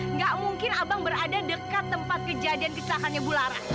nggak mungkin abang berada dekat tempat kejadian kecelakanya bularas